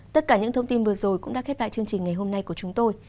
tất cả những thông tin vừa rồi cũng đã khép lại chương trình ngày hôm nay của chúng tôi